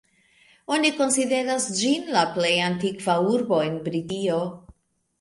Oni konsideras ĝin la plej antikva urbo en Britio.